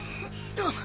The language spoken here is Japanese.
あっ。